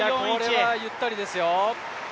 これはゆったりですよ。